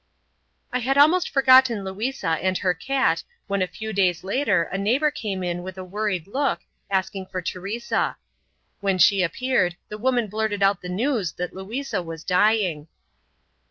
I had almost forgotten Louisa and her cat when a few days later a neighbor came in with a worried look asking for Teresa. When she appeared, the woman blurted out the news that Louisa was dying.